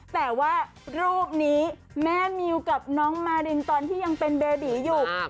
แต่ว่ารูปนี้แม่มิวกับน้องมารินตอนที่ยังเป็นเบบีอยู่